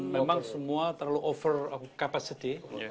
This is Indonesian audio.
memang semua terlalu over capacity